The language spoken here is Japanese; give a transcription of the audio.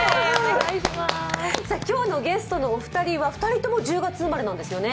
今日のゲストのお二人は２人とも１０月生まれなんですよね。